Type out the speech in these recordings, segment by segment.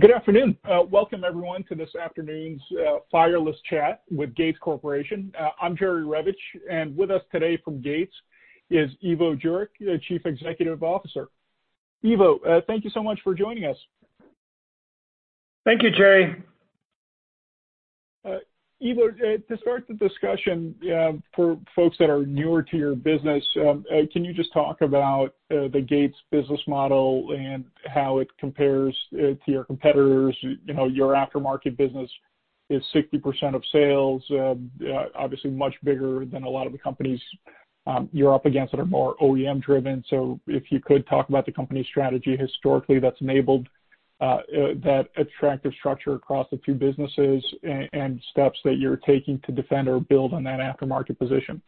Good afternoon. Welcome, everyone, to this afternoon's wireless chat with Gates Corporation. I'm Jerry Revich, and with us today from Gates is Ivo, Chief Executive Officer. Ivo, thank you so much for joining us. Thank you, Jerry. Ivo, to start the discussion for folks that are newer to your business, can you just talk about the Gates business model and how it compares to your competitors? Your aftermarket business is 60% of sales, obviously much bigger than a lot of the companies you're up against that are more OEM-driven. If you could talk about the company's strategy historically that's enabled that attractive structure across the two businesses and steps that you're taking to defend or build on that aftermarket position.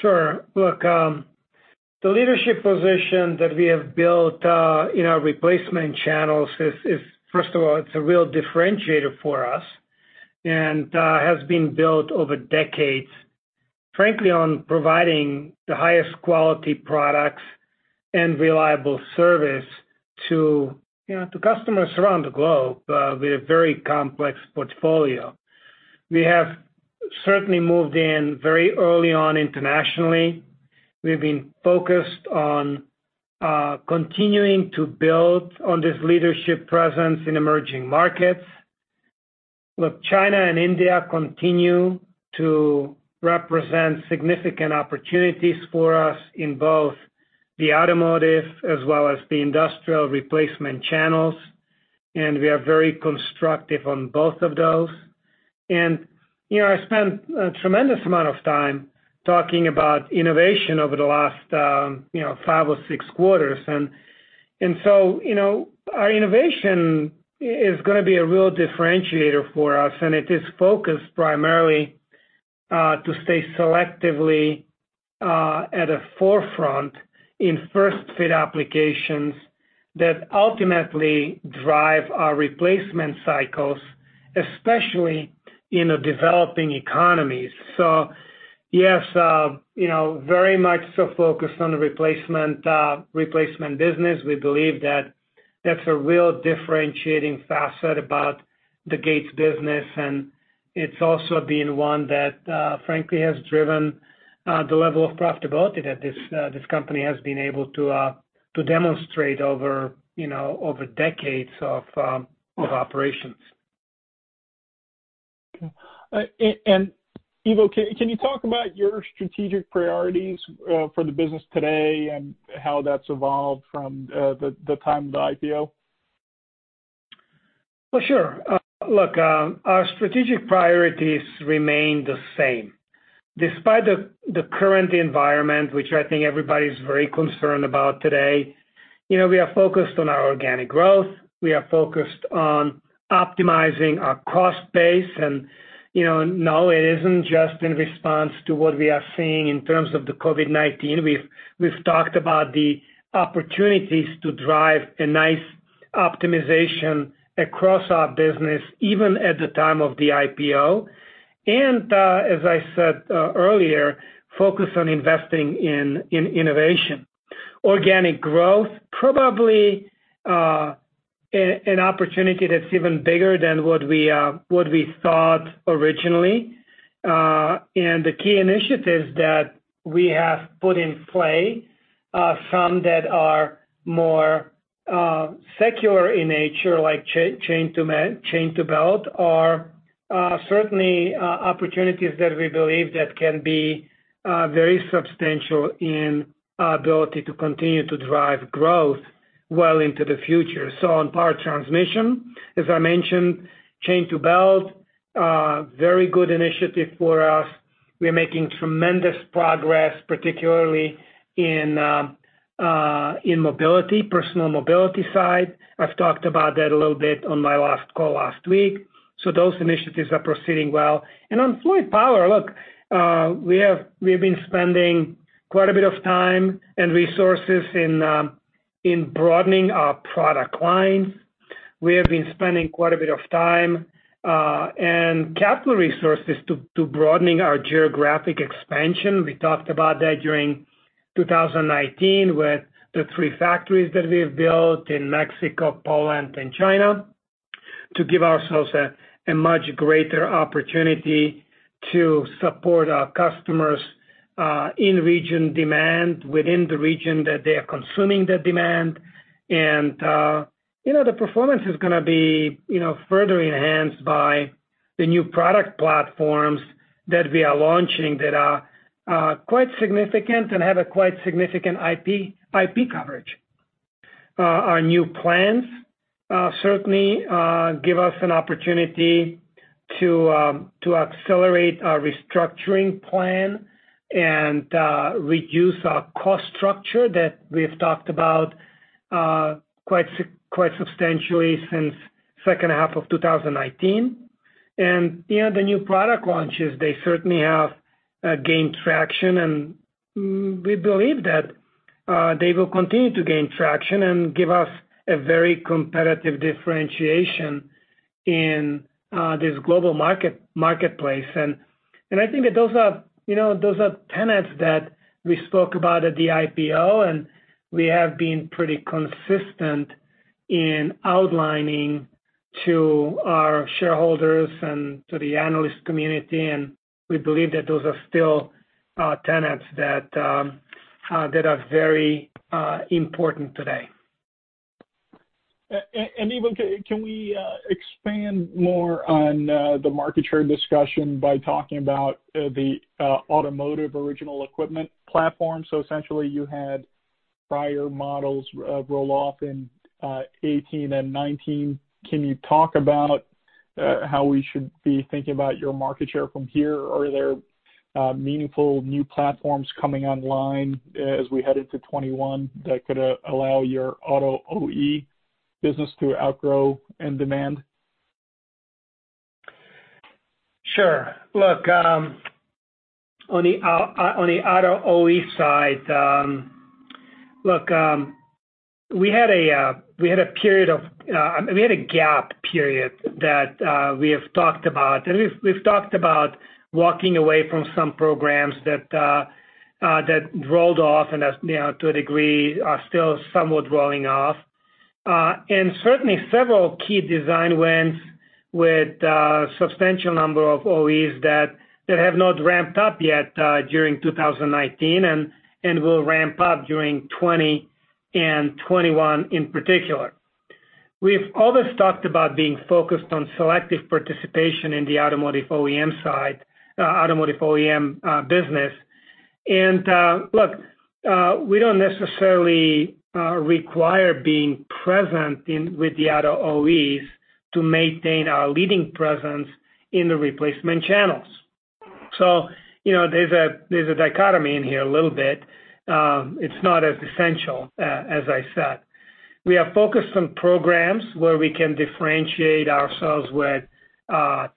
Sure. Look, the leadership position that we have built in our replacement channels is, first of all, it's a real differentiator for us and has been built over decades, frankly, on providing the highest quality products and reliable service to customers around the globe with a very complex portfolio. We have certainly moved in very early on internationally. We've been focused on continuing to build on this leadership presence in emerging markets. China and India continue to represent significant opportunities for us in both the automotive as well as the industrial replacement channels, and we are very constructive on both of those. I spent a tremendous amount of time talking about innovation over the last five or six quarters. Our innovation is going to be a real differentiator for us, and it is focused primarily to stay selectively at the forefront in first-fit applications that ultimately drive our replacement cycles, especially in developing economies. Yes, very much so focused on the replacement business. We believe that that's a real differentiating facet about the Gates business, and it's also been one that, frankly, has driven the level of profitability that this company has been able to demonstrate over decades of operations. Okay. Ivo, can you talk about your strategic priorities for the business today and how that's evolved from the time of the IPO? Look, our strategic priorities remain the same. Despite the current environment, which I think everybody's very concerned about today, we are focused on our organic growth. We are focused on optimizing our cost base. No, it isn't just in response to what we are seeing in terms of the COVID-19. We've talked about the opportunities to drive a nice optimization across our business, even at the time of the IPO. As I said earlier, focus on investing in innovation. Organic growth, probably an opportunity that's even bigger than what we thought originally. The key initiatives that we have put in play, some that are more secular in nature, like chain-to-belt, are certainly opportunities that we believe that can be very substantial in our ability to continue to drive growth well into the future. On power transmission, as I mentioned, chain-to-belt, very good initiative for us. We're making tremendous progress, particularly in mobility, personal mobility side. I’ve talked about that a little bit on my last call last week. Those initiatives are proceeding well. On fluid power, look, we have been spending quite a bit of time and resources in broadening our product lines. We have been spending quite a bit of time and capital resources to broaden our geographic expansion. We talked about that during 2019 with the three factories that we have built in Mexico, Poland, and China to give ourselves a much greater opportunity to support our customers in region demand within the region that they are consuming the demand. The performance is going to be further enhanced by the new product platforms that we are launching that are quite significant and have a quite significant IP coverage. Our new plans certainly give us an opportunity to accelerate our restructuring plan and reduce our cost structure that we have talked about quite substantially since the second half of 2019. The new product launches, they certainly have gained traction, and we believe that they will continue to gain traction and give us a very competitive differentiation in this global marketplace. I think that those are tenets that we spoke about at the IPO, and we have been pretty consistent in outlining to our shareholders and to the analyst community. We believe that those are still tenets that are very important today. Ivo, can we expand more on the market share discussion by talking about the automotive original equipment platform? Essentially, you had prior models roll off in 2018 and 2019. Can you talk about how we should be thinking about your market share from here? Are there meaningful new platforms coming online as we head into 2021 that could allow your auto OE business to outgrow in demand? Sure. Look, on the auto OE side, we had a period of, we had a gap period that we have talked about. We have talked about walking away from some programs that rolled off and that, to a degree, are still somewhat rolling off. Certainly, several key design wins with a substantial number of OEs that have not ramped up yet during 2019 and will ramp up during 2020 and 2021 in particular. We have always talked about being focused on selective participation in the automotive OEM side, automotive OEM business. We do not necessarily require being present with the auto OEs to maintain our leading presence in the replacement channels. There is a dichotomy in here a little bit. It is not as essential, as I said. We are focused on programs where we can differentiate ourselves with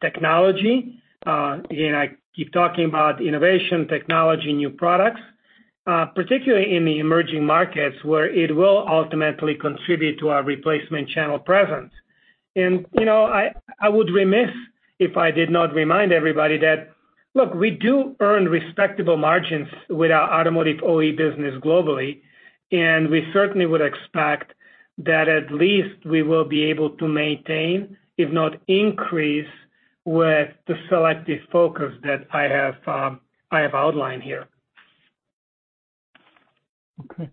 technology. Again, I keep talking about innovation, technology, new products, particularly in the emerging markets where it will ultimately contribute to our replacement channel presence. I would be remiss if I did not remind everybody that, look, we do earn respectable margins with our automotive OE business globally, and we certainly would expect that at least we will be able to maintain, if not increase, with the selective focus that I have outlined here. Okay.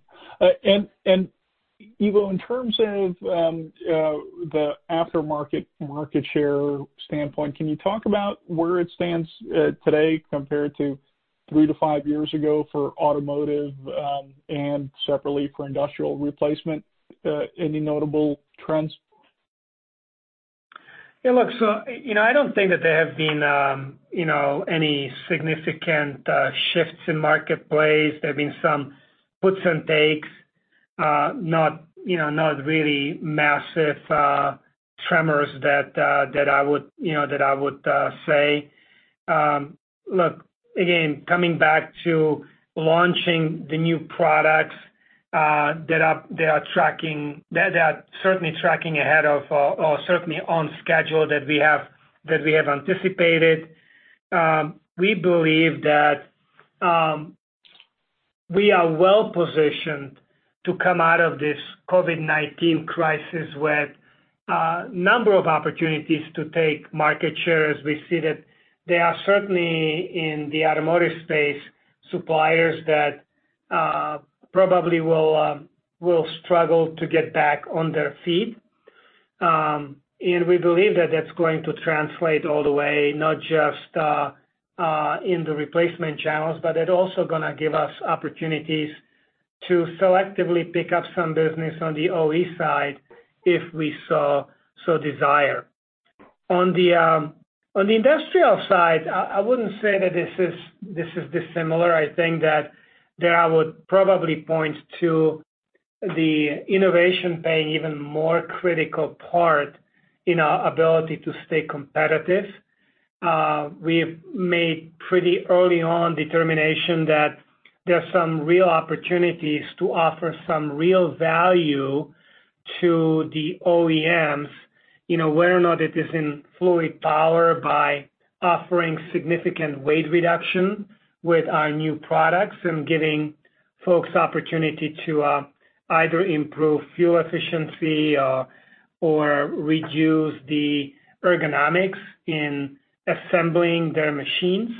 Ivo, in terms of the aftermarket market share standpoint, can you talk about where it stands today compared to three to five years ago for automotive and separately for industrial replacement? Any notable trends? Yeah. Look, I don't think that there have been any significant shifts in marketplace. There have been some puts and takes, not really massive tremors that I would say. Look, again, coming back to launching the new products that are tracking, that are certainly tracking ahead of or certainly on schedule that we have anticipated, we believe that we are well positioned to come out of this COVID-19 crisis with a number of opportunities to take market share. As we see that, there are certainly in the automotive space suppliers that probably will struggle to get back on their feet. We believe that that's going to translate all the way, not just in the replacement channels, but that's also going to give us opportunities to selectively pick up some business on the OE side if we so desire. On the industrial side, I wouldn't say that this is dissimilar. I think that I would probably point to the innovation being an even more critical part in our ability to stay competitive. We've made pretty early on determination that there are some real opportunities to offer some real value to the OEMs, whether or not it is in fluid power by offering significant weight reduction with our new products and giving folks opportunity to either improve fuel efficiency or reduce the ergonomics in assembling their machines.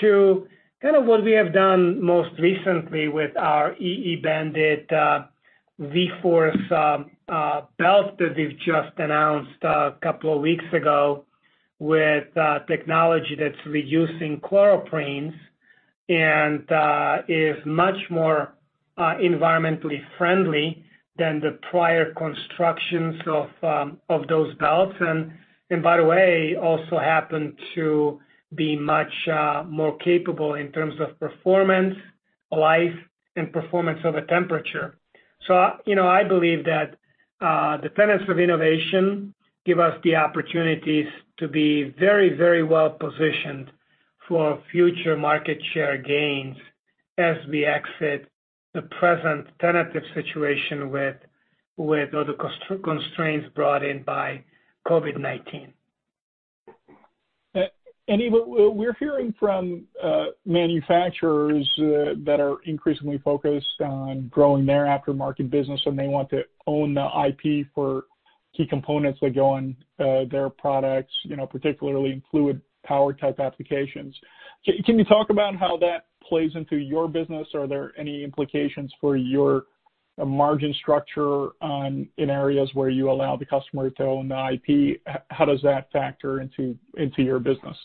Two, kind of what we have done most recently with our EE-banded V-Force belt that we've just announced a couple of weeks ago with technology that's reducing chloroprenes and is much more environmentally friendly than the prior constructions of those belts. By the way, also happened to be much more capable in terms of performance, life, and performance over temperature. I believe that the tenets of innovation give us the opportunities to be very, very well positioned for future market share gains as we exit the present tentative situation with other constraints brought in by COVID-19. Ivo, we're hearing from manufacturers that are increasingly focused on growing their aftermarket business, and they want to own the IP for key components that go on their products, particularly in fluid power type applications. Can you talk about how that plays into your business? Are there any implications for your margin structure in areas where you allow the customer to own the IP? How does that factor into your business?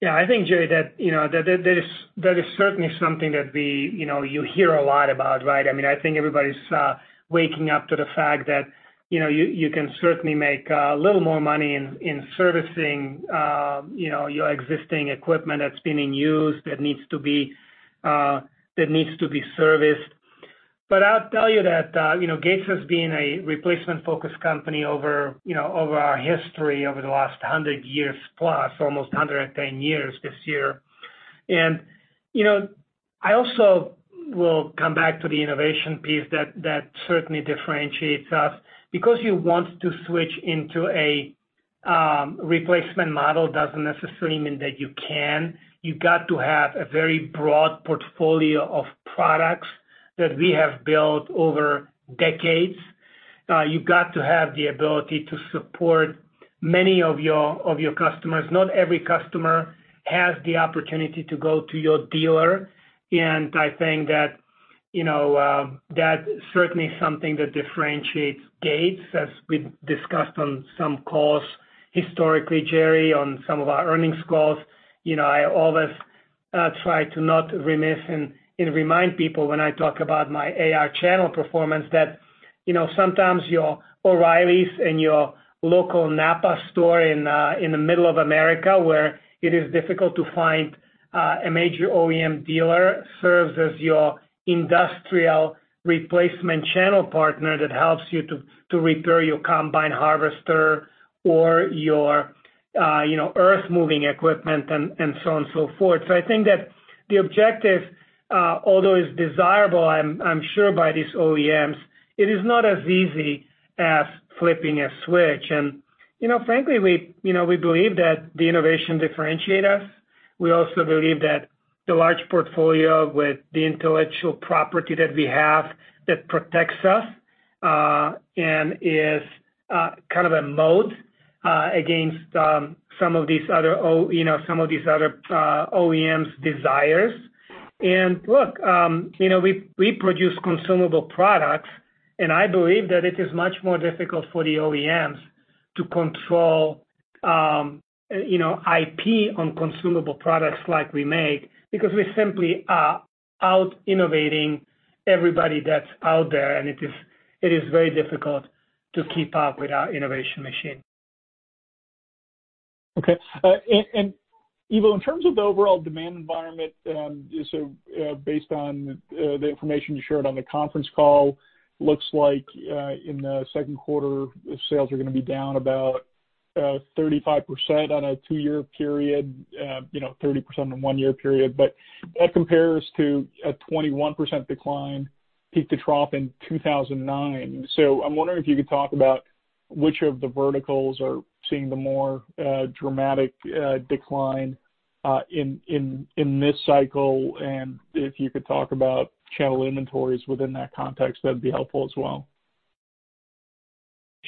Yeah. I think, Jerry, that is certainly something that you hear a lot about, right? I mean, I think everybody's waking up to the fact that you can certainly make a little more money in servicing your existing equipment that's been in use that needs to be serviced. I'll tell you that Gates has been a replacement-focused company over our history over the last 100 years plus, almost 110 years this year. I also will come back to the innovation piece that certainly differentiates us. Because you want to switch into a replacement model doesn't necessarily mean that you can. You've got to have a very broad portfolio of products that we have built over decades. You've got to have the ability to support many of your customers. Not every customer has the opportunity to go to your dealer. I think that that's certainly something that differentiates Gates, as we've discussed on some calls historically, Jerry, on some of our earnings calls. I always try to not remiss and remind people when I talk about my AR channel performance that sometimes your O'Reilly's and your local NAPA store in the middle of America, where it is difficult to find a major OEM dealer, serves as your industrial replacement channel partner that helps you to repair your combine harvester or your earth-moving equipment and so on and so forth. I think that the objective, although it's desirable, I'm sure by these OEMs, it is not as easy as flipping a switch. Frankly, we believe that the innovation differentiates us. We also believe that the large portfolio with the intellectual property that we have that protects us is kind of a moat against some of these other OEMs' desires. Look, we produce consumable products, and I believe that it is much more difficult for the OEMs to control IP on consumable products like we make because we simply are out-innovating everybody that's out there, and it is very difficult to keep up with our innovation machine. Okay. And Ivo, in terms of the overall demand environment, based on the information you shared on the conference call, it looks like in the second quarter, sales are going to be down about 35% on a two-year period, 30% on a one-year period. That compares to a 21% decline peak to trough in 2009. I am wondering if you could talk about which of the verticals are seeing the more dramatic decline in this cycle. If you could talk about channel inventories within that context, that would be helpful as well.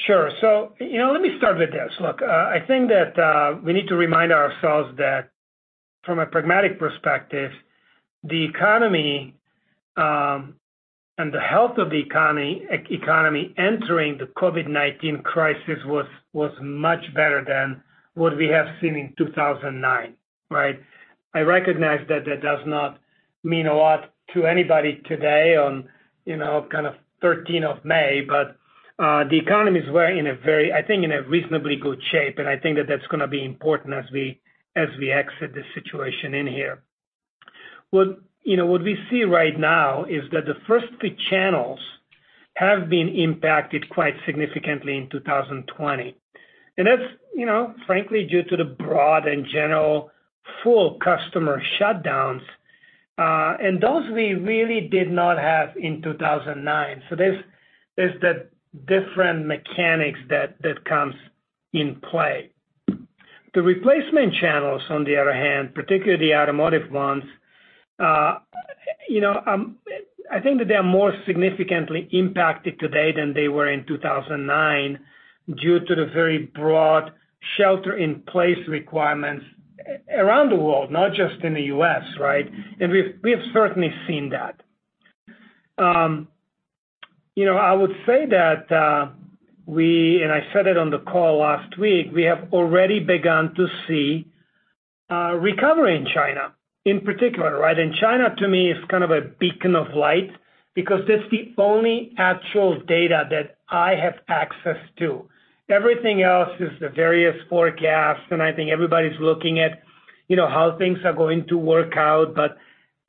Sure. Let me start with this. Look, I think that we need to remind ourselves that from a pragmatic perspective, the economy and the health of the economy entering the COVID-19 crisis was much better than what we have seen in 2009, right? I recognize that that does not mean a lot to anybody today on kind of 13th of May, but the economy is in a very, I think, in a reasonably good shape. I think that that's going to be important as we exit this situation in here. What we see right now is that the first three channels have been impacted quite significantly in 2020. That's frankly due to the broad and general full customer shutdowns. Those we really did not have in 2009. There are different mechanics that come in play. The replacement channels, on the other hand, particularly the automotive ones, I think that they are more significantly impacted today than they were in 2009 due to the very broad shelter-in-place requirements around the world, not just in the U.S., right? We've certainly seen that. I would say that we—and I said it on the call last week—we have already begun to see recovery in China, in particular, right? China, to me, is kind of a beacon of light because that's the only actual data that I have access to. Everything else is the various forecasts, and I think everybody's looking at how things are going to work out.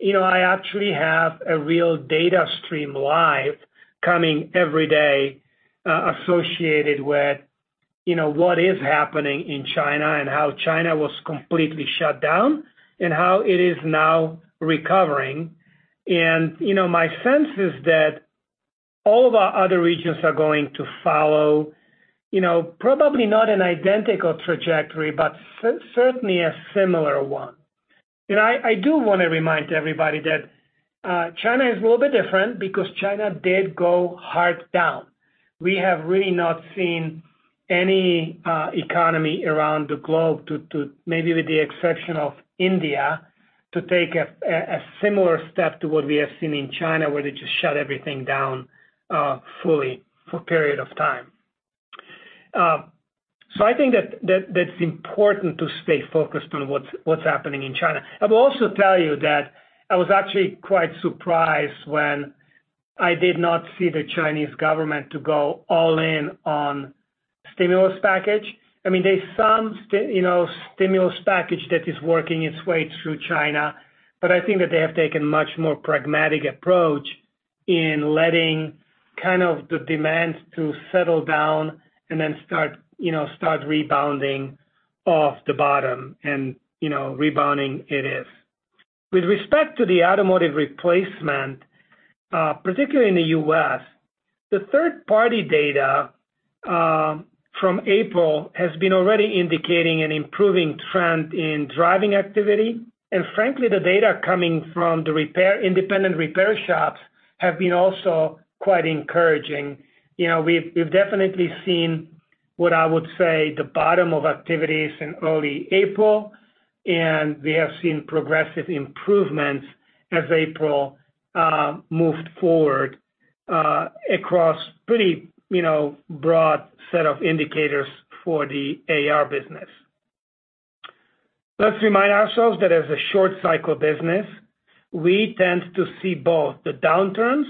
I actually have a real data stream live coming every day associated with what is happening in China and how China was completely shut down and how it is now recovering. My sense is that all of our other regions are going to follow probably not an identical trajectory, but certainly a similar one. I do want to remind everybody that China is a little bit different because China did go hard down. We have really not seen any economy around the globe, maybe with the exception of India, take a similar step to what we have seen in China where they just shut everything down fully for a period of time. I think that that's important to stay focused on what's happening in China. I will also tell you that I was actually quite surprised when I did not see the Chinese government go all in on stimulus package. I mean, there's some stimulus package that is working its way through China, but I think that they have taken a much more pragmatic approach in letting kind of the demand to settle down and then start rebounding off the bottom. Rebounding it is. With respect to the automotive replacement, particularly in the U.S., the third-party data from April has been already indicating an improving trend in driving activity. Frankly, the data coming from the independent repair shops have been also quite encouraging. We've definitely seen what I would say the bottom of activities in early April, and we have seen progressive improvements as April moved forward across a pretty broad set of indicators for the AR business. Let's remind ourselves that as a short-cycle business, we tend to see both the downturns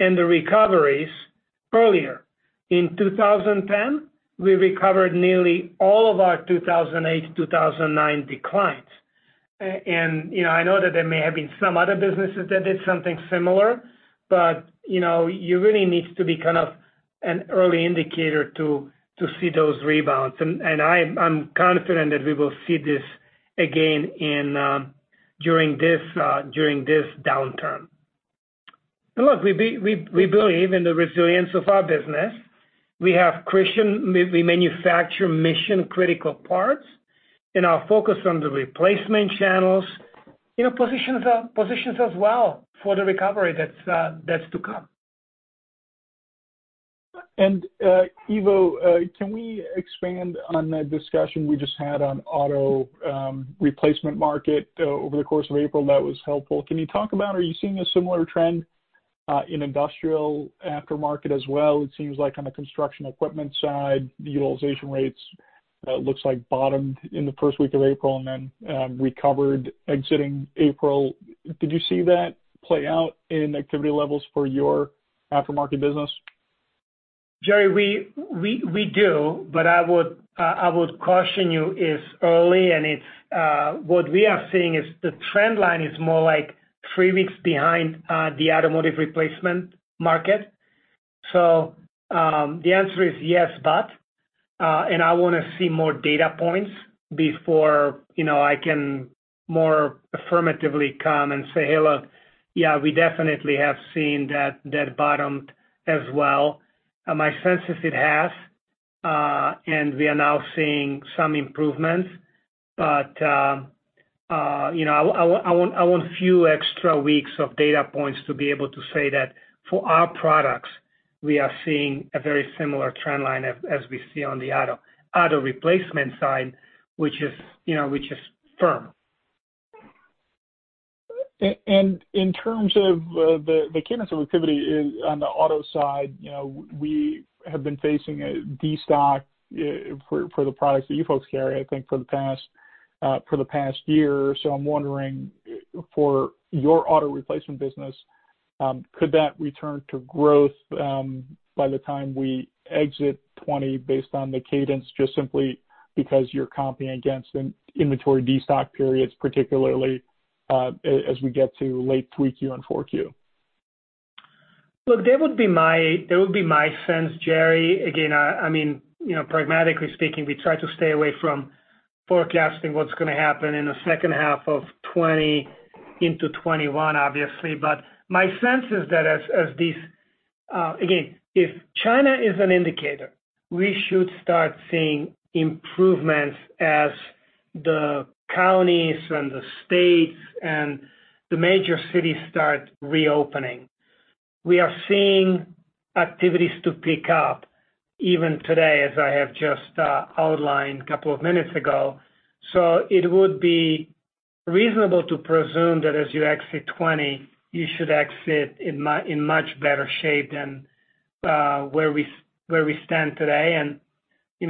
and the recoveries earlier. In 2010, we recovered nearly all of our 2008, 2009 declines. I know that there may have been some other businesses that did something similar, but you really need to be kind of an early indicator to see those rebounds. I'm confident that we will see this again during this downturn. Look, we believe in the resilience of our business. We manufacture mission-critical parts, and our focus on the replacement channels positions us well for the recovery that's to come. Ivo, can we expand on the discussion we just had on the auto replacement market over the course of April? That was helpful. Can you talk about are you seeing a similar trend in industrial aftermarket as well? It seems like on the construction equipment side, the utilization rates looks like bottomed in the first week of April and then recovered exiting April. Did you see that play out in activity levels for your aftermarket business? Jerry, we do, but I would caution you it is early, and what we are seeing is the trend line is more like three weeks behind the automotive replacement market. The answer is yes, but I want to see more data points before I can more affirmatively come and say, "Hey, look, yeah, we definitely have seen that bottomed as well." My sense is it has, and we are now seeing some improvements. I want a few extra weeks of data points to be able to say that for our products, we are seeing a very similar trend line as we see on the auto replacement side, which is firm. In terms of the cadence of activity on the auto side, we have been facing a de-stock for the products that you folks carry, I think, for the past year. I'm wondering, for your auto replacement business, could that return to growth by the time we exit 2020 based on the cadence, just simply because you're comping against inventory de-stock periods, particularly as we get to late 3Q and 4Q? Look, that would be my sense, Jerry. Again, I mean, pragmatically speaking, we try to stay away from forecasting what's going to happen in the second half of 2020 into 2021, obviously. My sense is that as these, again, if China is an indicator, we should start seeing improvements as the counties and the states and the major cities start reopening. We are seeing activities pick up even today, as I have just outlined a couple of minutes ago. It would be reasonable to presume that as you exit 2020, you should exit in much better shape than where we stand today.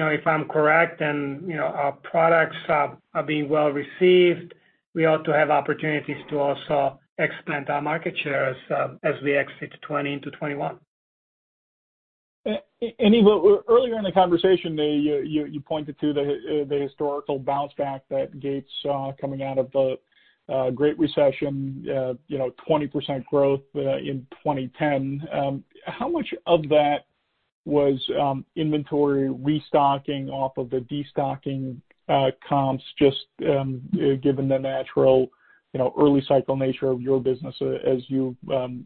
If I'm correct, then our products are being well received. We ought to have opportunities to also expand our market share as we exit 2020 into 2021. Ivo, earlier in the conversation, you pointed to the historical bounce back that Gates saw coming out of the Great Recession, 20% growth in 2010. How much of that was inventory restocking off of the de-stocking comps, just given the natural early-cycle nature of your business, as you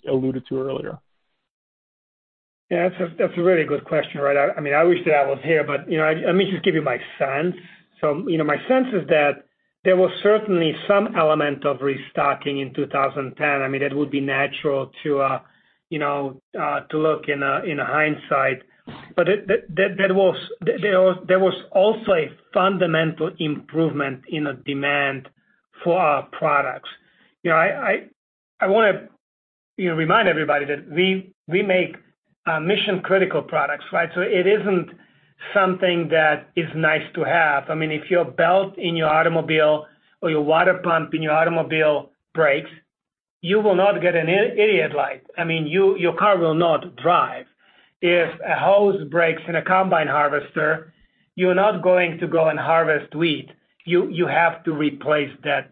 alluded to earlier? Yeah, that's a really good question, right? I mean, I wish that I was here, but let me just give you my sense. My sense is that there was certainly some element of restocking in 2010. I mean, it would be natural to look in hindsight. There was also a fundamental improvement in the demand for our products. I want to remind everybody that we make mission-critical products, right? It isn't something that is nice to have. I mean, if your belt in your automobile or your water pump in your automobile breaks, you will not get an idiot light. I mean, your car will not drive. If a hose breaks in a combine harvester, you're not going to go and harvest wheat. You have to replace that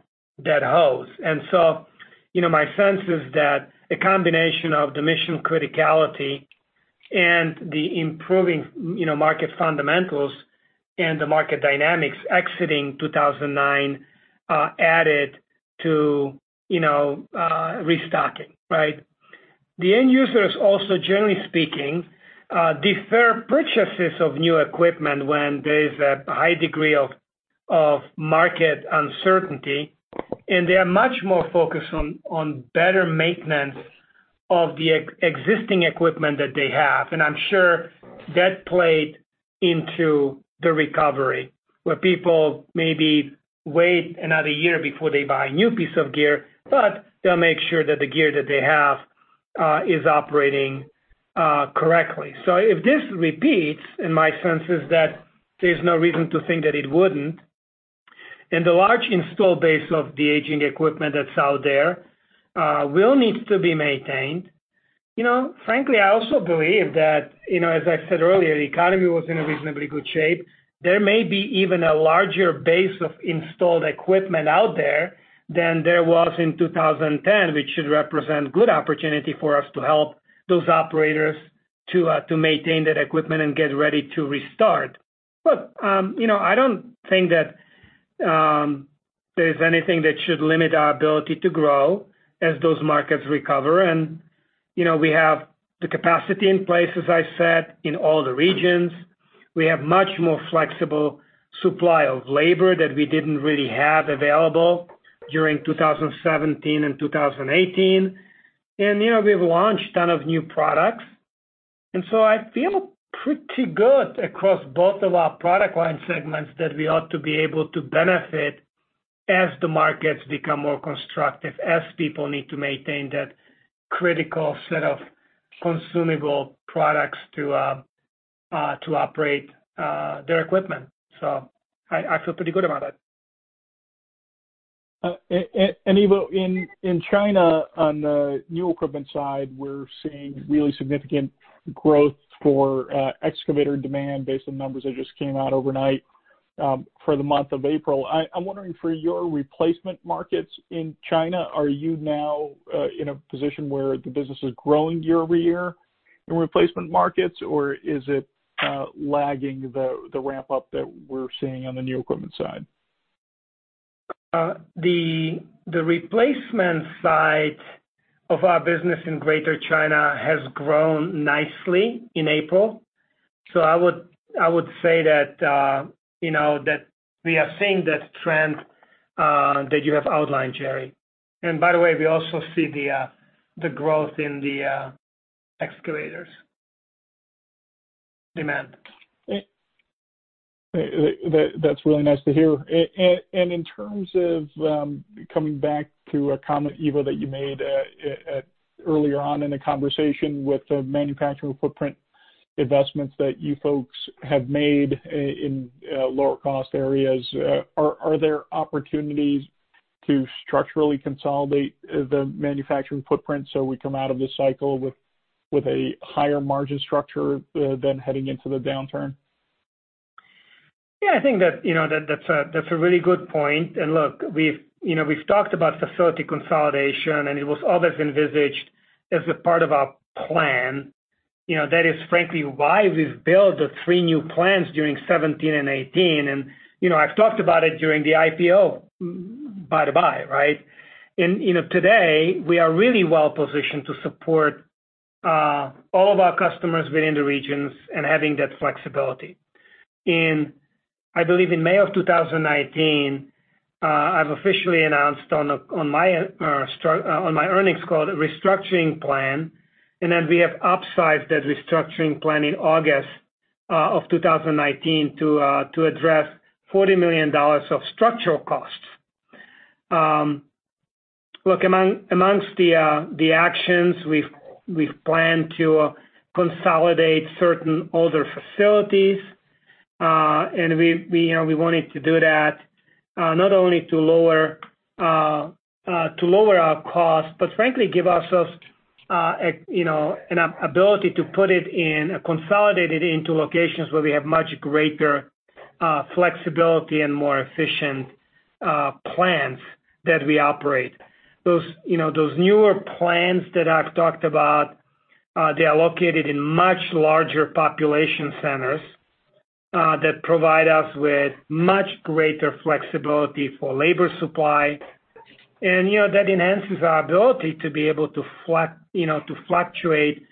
hose. My sense is that a combination of the mission criticality and the improving market fundamentals and the market dynamics exiting 2009 added to restocking, right? The end users, also generally speaking, defer purchases of new equipment when there is a high degree of market uncertainty, and they are much more focused on better maintenance of the existing equipment that they have. I'm sure that played into the recovery, where people maybe wait another year before they buy a new piece of gear, but they'll make sure that the gear that they have is operating correctly. If this repeats, and my sense is that there's no reason to think that it wouldn't, and the large install base of the aging equipment that's out there will need to be maintained, frankly, I also believe that, as I said earlier, the economy was in a reasonably good shape. There may be even a larger base of installed equipment out there than there was in 2010, which should represent good opportunity for us to help those operators to maintain that equipment and get ready to restart. I do not think that there is anything that should limit our ability to grow as those markets recover. We have the capacity in place, as I said, in all the regions. We have much more flexible supply of labor that we did not really have available during 2017 and 2018. We have launched a ton of new products. I feel pretty good across both of our product line segments that we ought to be able to benefit as the markets become more constructive, as people need to maintain that critical set of consumable products to operate their equipment. I feel pretty good about that. Ivo, in China, on the new equipment side, we're seeing really significant growth for excavator demand based on numbers that just came out overnight for the month of April. I'm wondering, for your replacement markets in China, are you now in a position where the business is growing year over year in replacement markets, or is it lagging the ramp-up that we're seeing on the new equipment side? The replacement side of our business in Greater China has grown nicely in April. I would say that we are seeing that trend that you have outlined, Jerry. By the way, we also see the growth in the excavators demand. That's really nice to hear. In terms of coming back to a comment, Ivo, that you made earlier on in the conversation with the manufacturing footprint investments that you folks have made in lower-cost areas, are there opportunities to structurally consolidate the manufacturing footprint so we come out of this cycle with a higher margin structure than heading into the downturn? Yeah, I think that that's a really good point. Look, we've talked about facility consolidation, and it was always envisaged as a part of our plan. That is, frankly, why we've built the three new plants during 2017 and 2018. I talked about it during the IPO, by the by, right? Today, we are really well positioned to support all of our customers within the regions and having that flexibility. I believe in May of 2019, I officially announced on my earnings call the restructuring plan. We upsized that restructuring plan in August of 2019 to address $40 million of structural costs. Look, amongst the actions, we've planned to consolidate certain older facilities, and we wanted to do that not only to lower our costs, but frankly, give us an ability to put it in a consolidate it into locations where we have much greater flexibility and more efficient plans that we operate. Those newer plans that I've talked about, they are located in much larger population centers that provide us with much greater flexibility for labor supply. That enhances our ability to be able to fluctuate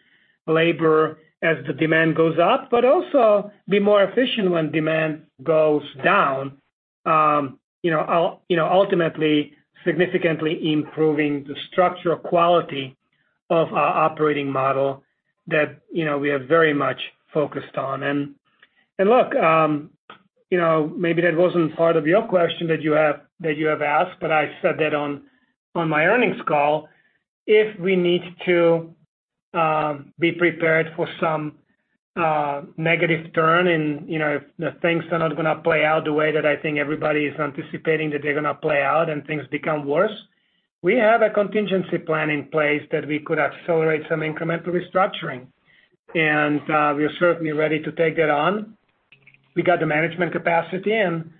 labor as the demand goes up, but also be more efficient when demand goes down, ultimately significantly improving the structural quality of our operating model that we have very much focused on. Maybe that wasn't part of your question that you have asked, but I said that on my earnings call. If we need to be prepared for some negative turn and if things are not going to play out the way that I think everybody is anticipating that they're going to play out and things become worse, we have a contingency plan in place that we could accelerate some incremental restructuring. We're certainly ready to take that on. We got the management capacity, and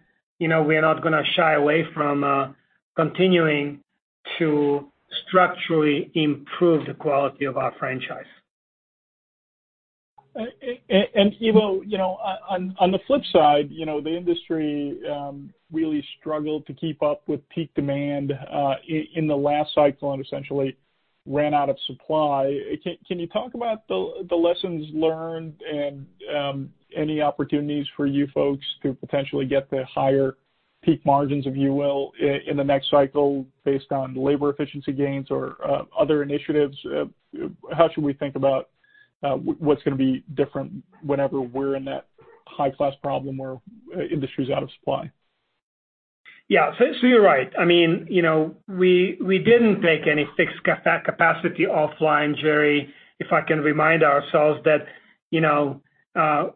we're not going to shy away from continuing to structurally improve the quality of our franchise. Ivo, on the flip side, the industry really struggled to keep up with peak demand in the last cycle and essentially ran out of supply. Can you talk about the lessons learned and any opportunities for you folks to potentially get the higher peak margins, if you will, in the next cycle based on labor efficiency gains or other initiatives? How should we think about what's going to be different whenever we're in that high-class problem where industry is out of supply? Yeah, so you're right. I mean, we didn't take any fixed capacity offline, Jerry, if I can remind ourselves that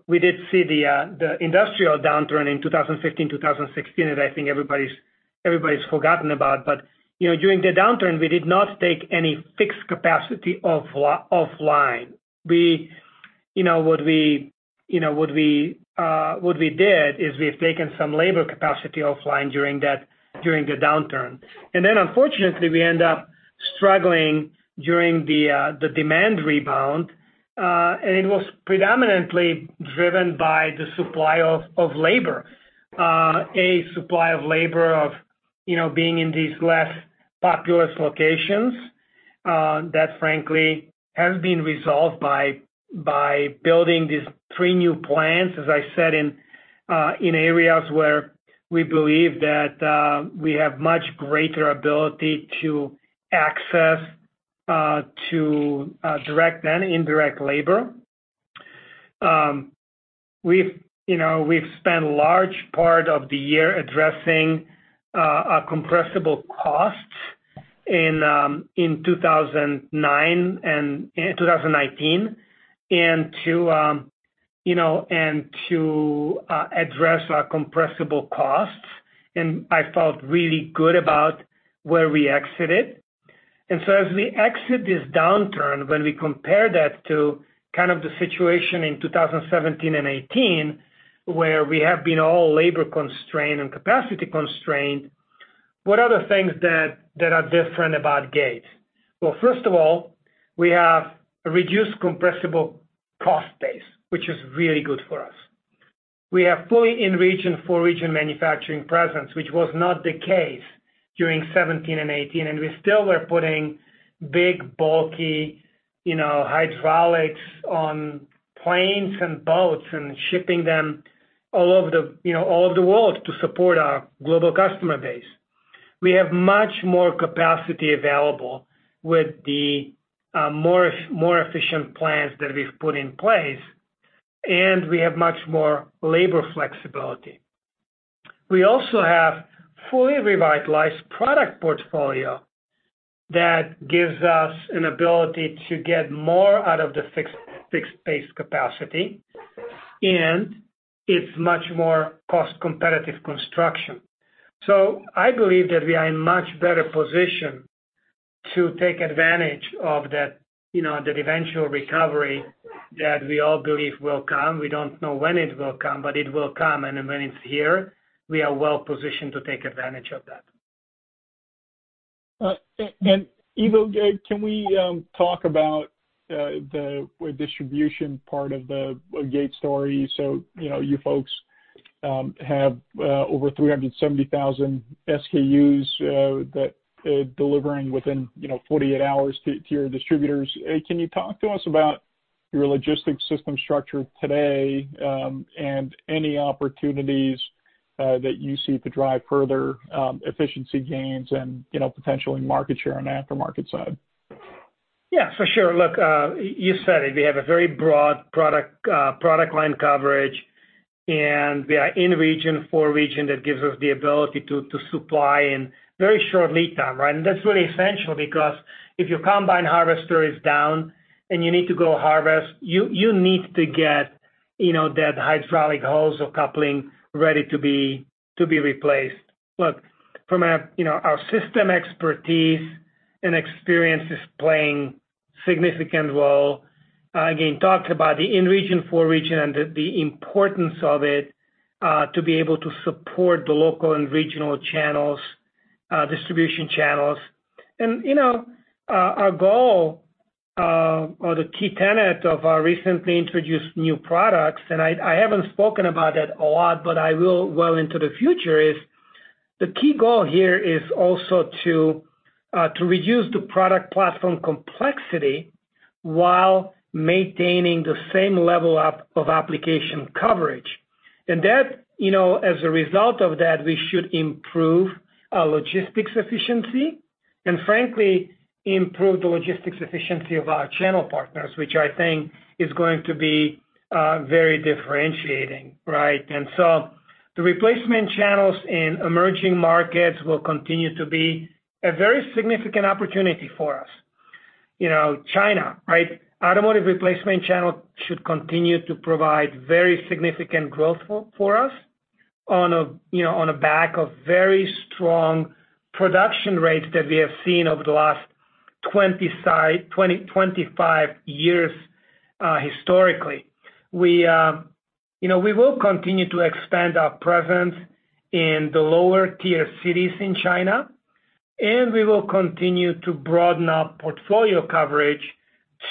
we did see the industrial downturn in 2015, 2016, and I think everybody's forgotten about. During the downturn, we did not take any fixed capacity offline. What we did is we've taken some labor capacity offline during the downturn. Unfortunately, we end up struggling during the demand rebound. It was predominantly driven by the supply of labor, a supply of labor of being in these less populous locations. That, frankly, has been resolved by building these three new plants, as I said, in areas where we believe that we have much greater ability to access direct and indirect labor. We've spent a large part of the year addressing our compressible costs in 2009 and 2019 and to address our compressible costs. I felt really good about where we exited. As we exit this downturn, when we compare that to kind of the situation in 2017 and 2018, where we have been all labor constrained and capacity constrained, what are the things that are different about Gates? First of all, we have a reduced compressible cost base, which is really good for us. We have fully in-region for region manufacturing presence, which was not the case during 2017 and 2018. We still were putting big, bulky hydraulics on planes and boats and shipping them all over the world to support our global customer base. We have much more capacity available with the more efficient plans that we've put in place, and we have much more labor flexibility. We also have fully revitalized product portfolio that gives us an ability to get more out of the fixed-based capacity, and it is much more cost-competitive construction. I believe that we are in much better position to take advantage of that eventual recovery that we all believe will come. We do not know when it will come, but it will come. When it is here, we are well positioned to take advantage of that. Ivo, can we talk about the distribution part of the Gates story? You folks have over 370,000 SKUs that are delivering within 48 hours to your distributors. Can you talk to us about your logistics system structure today and any opportunities that you see to drive further efficiency gains and potentially market share on the aftermarket side? Yeah, for sure. Look, you said it. We have a very broad product line coverage, and we are in-region for region. That gives us the ability to supply in very short lead time, right? That's really essential because if your combine harvester is down and you need to go harvest, you need to get that hydraulic hose or coupling ready to be replaced. Look, our system expertise and experience is playing a significant role. Again, talked about the in-region for region and the importance of it to be able to support the local and regional channels, distribution channels. Our goal or the key tenet of our recently introduced new products, and I haven't spoken about that a lot, but I will well into the future, is the key goal here is also to reduce the product platform complexity while maintaining the same level of application coverage. As a result of that, we should improve our logistics efficiency and, frankly, improve the logistics efficiency of our channel partners, which I think is going to be very differentiating, right? The replacement channels in emerging markets will continue to be a very significant opportunity for us. China, right? Automotive replacement channel should continue to provide very significant growth for us on a back of very strong production rates that we have seen over the last 25 years historically. We will continue to expand our presence in the lower-tier cities in China, and we will continue to broaden our portfolio coverage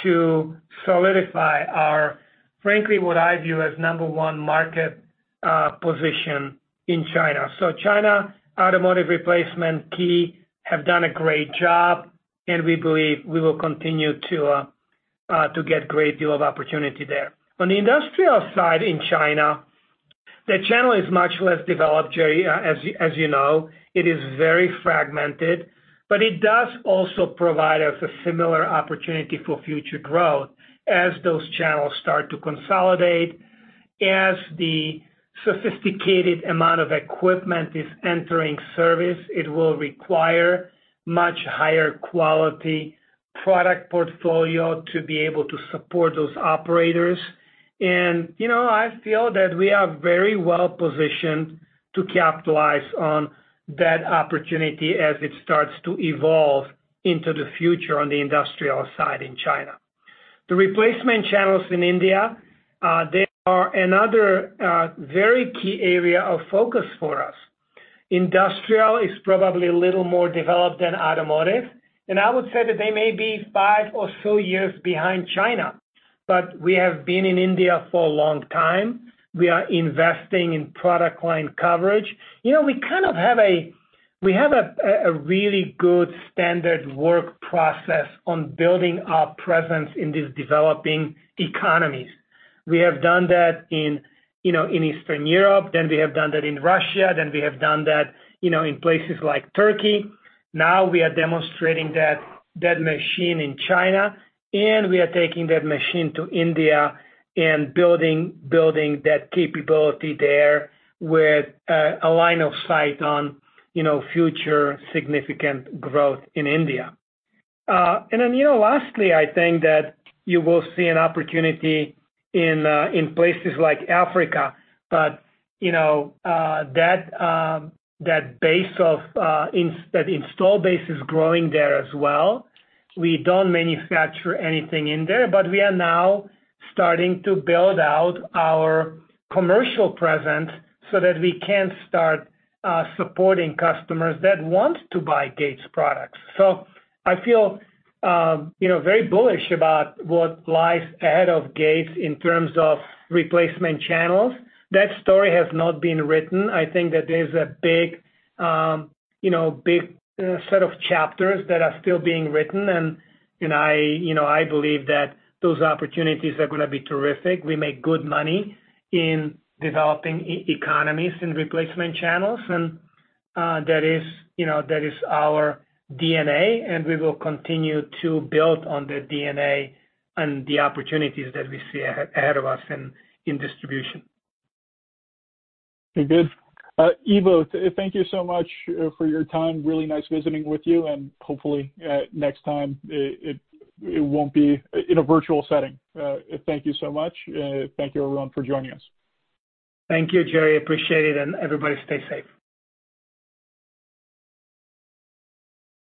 to solidify our, frankly, what I view as number one market position in China. China, automotive replacement key have done a great job, and we believe we will continue to get a great deal of opportunity there. On the industrial side in China, the channel is much less developed, Jerry, as you know. It is very fragmented, but it does also provide us a similar opportunity for future growth as those channels start to consolidate. As the sophisticated amount of equipment is entering service, it will require much higher quality product portfolio to be able to support those operators. I feel that we are very well positioned to capitalize on that opportunity as it starts to evolve into the future on the industrial side in China. The replacement channels in India, they are another very key area of focus for us. Industrial is probably a little more developed than automotive. I would say that they may be five or so years behind China, but we have been in India for a long time. We are investing in product line coverage. We kind of have a really good standard work process on building our presence in these developing economies. We have done that in Eastern Europe. We have done that in Russia. We have done that in places like Turkey. Now we are demonstrating that machine in China, and we are taking that machine to India and building that capability there with a line of sight on future significant growth in India. Lastly, I think that you will see an opportunity in places like Africa, but that install base is growing there as well. We do not manufacture anything in there, but we are now starting to build out our commercial presence so that we can start supporting customers that want to buy Gates products. I feel very bullish about what lies ahead of Gates in terms of replacement channels. That story has not been written. I think that there's a big set of chapters that are still being written. I believe that those opportunities are going to be terrific. We make good money in developing economies in replacement channels, and that is our DNA. We will continue to build on that DNA and the opportunities that we see ahead of us in distribution. Good. Ivo, thank you so much for your time. Really nice visiting with you. Hopefully, next time, it won't be in a virtual setting. Thank you so much. Thank you everyone for joining us. Thank you, Jerry. Appreciate it. Everybody stay safe.